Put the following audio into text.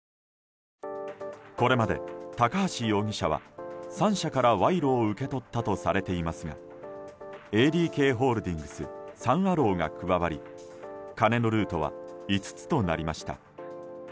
これまで高橋容疑者は３社から賄賂を受け取ったとされていますがＡＤＫホールディングスサン・アローが加わり金のルートは５つとなりました。